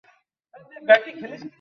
ওটা খুব শয়তান খরগোশ ছিলো।